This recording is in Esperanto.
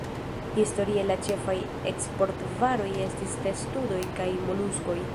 Historie la ĉefaj eksport-varoj estis testudoj kaj moluskoj.